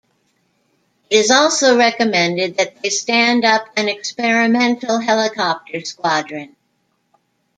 It also recommended that they stand up an experimental helicopter squadron.